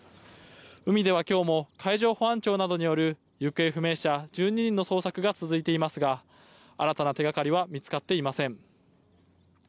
海では今日も海上保安庁などによる行方不明者１２人の捜索が続いていますが新たな手掛かりは見つかっていません。